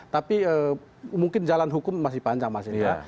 tapi mungkin jalan hukum masih panjang masih